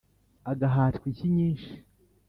Agahatwa inshyi nyinshi